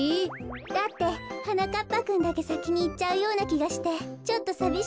だってはなかっぱくんだけさきにいっちゃうようなきがしてちょっとさびしかったの。